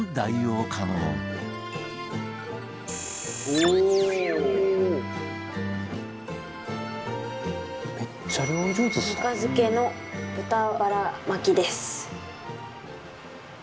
ぬか漬けの豚バラ巻きです。